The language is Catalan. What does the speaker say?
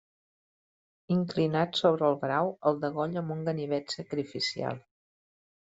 Inclinat sobre el brau, el degolla amb un ganivet sacrificial.